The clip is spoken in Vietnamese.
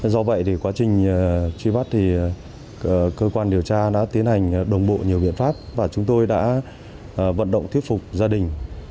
do vậy thì quá trình truy bắt thì cơ quan điều tra đã tiến hành đồng bộ nhiều biện pháp và chúng tôi đã vận động thuyết phục gia đình